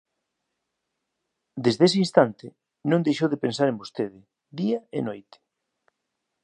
Dende ese instante, non deixou de pensar en vostede, día e noite.